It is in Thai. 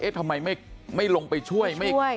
ทำไมไม่ลงไปช่วย